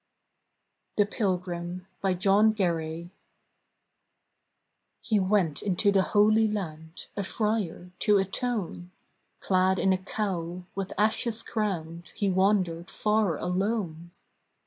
THE PILGRIM BY JOHN GARAY He went into the Holy Land, A friar, to atone; Clad in a cowl, with ashes crowned, He wandered far alone.